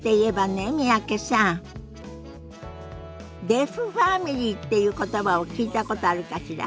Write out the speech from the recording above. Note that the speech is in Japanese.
「デフファミリー」っていう言葉を聞いたことあるかしら？